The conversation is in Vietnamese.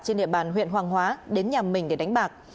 trên địa bàn huyện hoàng hóa đến nhà mình để đánh bạc